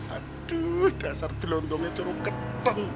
aduh dasar jelontongnya curung keteng